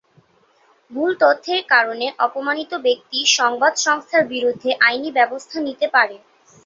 ভুল তথ্যের কারণে অপমানিত ব্যক্তি সংবাদ সংস্থার বিরুদ্ধে আইনি ব্যবস্থা নিতে পারে।